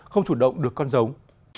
không chủ động được con giống